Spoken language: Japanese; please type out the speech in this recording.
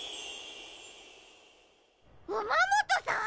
ウマモトさん！？